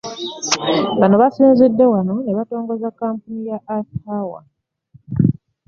Bano basinzidde wano ne batongoza kkampeyini ya Earth Hour